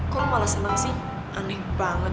kok lo malah seneng sih aneh banget